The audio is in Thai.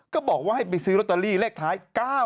ก็บอกว่าให้ไปซื้อลอตเตอรี่เลขท้าย๙๑